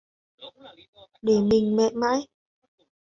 Để mình mẹ mãi